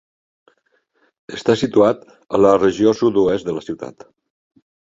Està situat a la regió sud-oest de la ciutat.